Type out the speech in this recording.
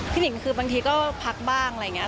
หนิงคือบางทีก็พักบ้างอะไรอย่างนี้